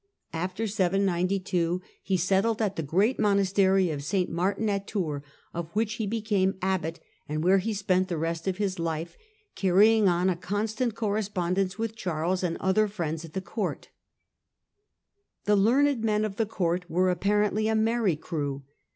After 792 he settled at the great monastery of St. Martin at Tours, of which he became abbot, and there he spent the rest of his life, carrying on a constant correspondence with Charles and other friends at the court. The court The learned men of the court were apparently a merry crew.